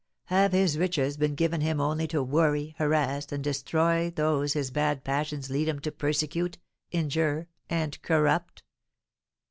Have his riches been given him only to worry, harass, and destroy those his bad passions lead him to persecute, injure, and corrupt?"